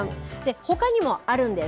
ほかにもあるんです。